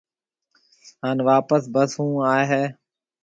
هانَ واپس بس هون آئي هيَ۔